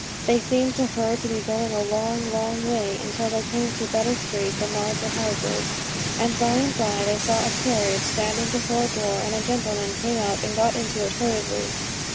They seemed to her to be going a long, long way, until they came to better streets and larger houses; and by and by they saw a carriage standing before a door, and a gentleman came out and got into it hurriedly.